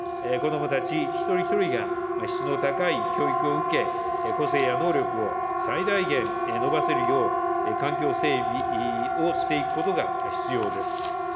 子どもたち一人一人が質の高い教育を受け、個性や能力を最大限伸ばせるよう、環境整備をしていくことが必要です。